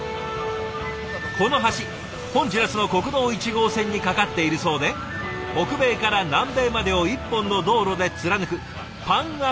この橋ホンジュラスの国道１号線に架かっているそうで北米から南米までを１本の道路で貫くパンアメリカン・ハイウェイの一部。